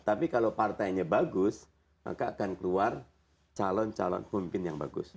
tapi kalau partainya bagus maka akan keluar calon calon pemimpin yang bagus